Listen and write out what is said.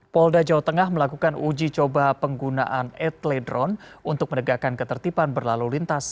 polda jawa tengah melakukan uji coba penggunaan etledron untuk menegakkan ketertiban berlalu lintas